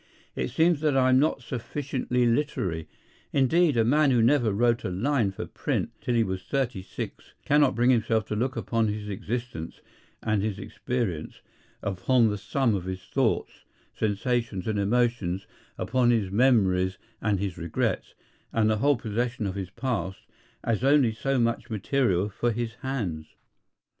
It seems that I am not sufficiently literary. Indeed, a man who never wrote a line for print till he was thirty six cannot bring himself to look upon his existence and his experience, upon the sum of his thoughts, sensations, and emotions, upon his memories and his regrets, and the whole possession of his past, as only so much material for his hands.